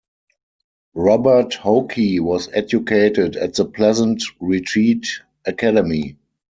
Robert Hoke was educated at the Pleasant Retreat Academy.